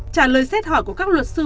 trả lời xét hỏi của các luật sư